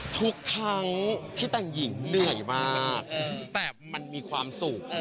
ทุกครั้งที่แต่งหญิงเหนื่อยมากแต่มันมีความสุข